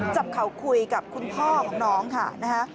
จับเขาคุยกับคุณพ่อของน้องค่ะนะฮะ